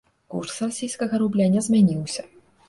Курс расійскага рубля не змяніўся.